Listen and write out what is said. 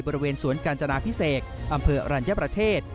บริเวณสวนกาญจนาพิเศษอำเภออรัญญประเทศ